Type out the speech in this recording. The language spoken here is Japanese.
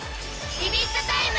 ビビッとタイム！